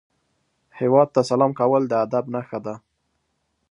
هیواد ته سلام کول د ادب نښه ده